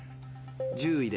１０位で。